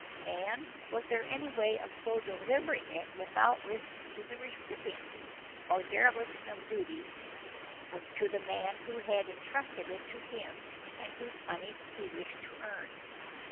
And was there any way of so delivering it without risk to the recipient or dereliction of duty to the man who had intrusted it to him and whose money he wished to earn?